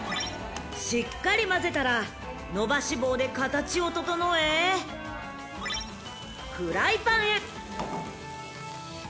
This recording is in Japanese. ［しっかり交ぜたら伸ばし棒で形を整えフライパンへ］